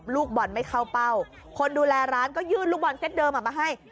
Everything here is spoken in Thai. ลูกบอลไม่เข้าเป้าคนดูแลร้านก็ยื่นลูกบอลเซตเดิมมาให้